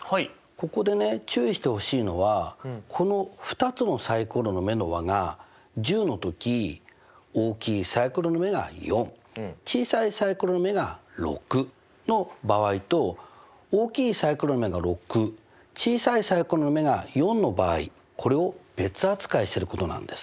ここでね注意してほしいのはこの２つのサイコロの目の和が１０の時大きいサイコロの目が４小さいサイコロの目が６の場合と大きいサイコロの目が６小さいサイコロの目が４の場合これを別扱いしていることなんです。